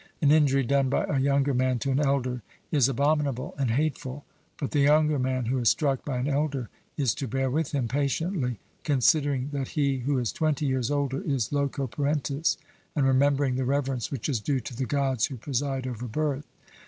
An injury done by a younger man to an elder is abominable and hateful; but the younger man who is struck by an elder is to bear with him patiently, considering that he who is twenty years older is loco parentis, and remembering the reverence which is due to the Gods who preside over birth.